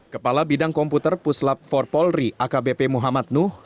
kepala bidang komputer puslab for polri akbp muhammad nuh